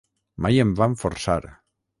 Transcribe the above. Mai em van forçar.